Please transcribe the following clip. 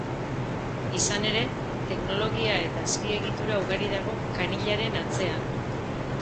Izan ere, teknologia eta azpiegitura ugari dago kanilaren atzean.